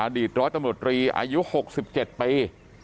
ดีตร้อยตำรวจรีอายุ๖๗ปี